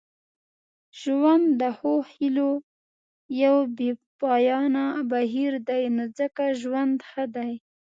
ژوند د ښو هیلو یو بې پایانه بهیر دی نو ځکه ژوند ښه دی.